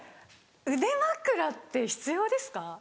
腕枕って必要ですか？